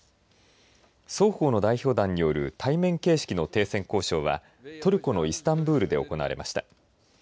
双方の代表団による対面形式の停戦交渉はトルコのイスタンブールで行われました。